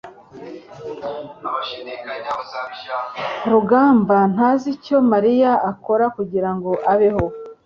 rugamba ntazi icyo mariya akora kugirango abeho